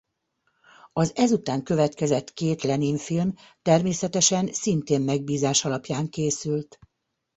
Az ezután következett két Lenin-film természetesen szintén megbízás alapján készült.